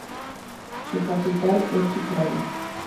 Su capital es Chiclayo.